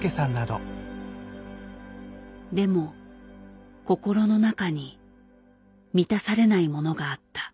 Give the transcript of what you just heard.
でも心の中に満たされないものがあった。